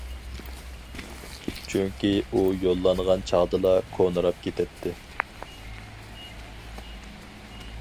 چۈنكى ئۇ يوللانغان چاغدىلا كونىراپ كېتەتتى.